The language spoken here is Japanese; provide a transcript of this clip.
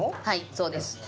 はいそうです。